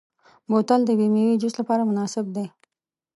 بوتل د میوې جوس لپاره مناسب دی.